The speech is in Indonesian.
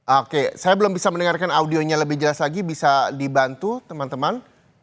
oke saya belum bisa mendengarkan audionya lebih jelas lagi bisa dibantu teman teman